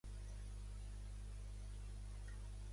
És comú en la major part del domini andalús.